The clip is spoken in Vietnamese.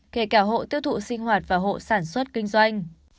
kể cả hộ tiêu thụ sinh hoạt và hộ sản xuất kinh doanh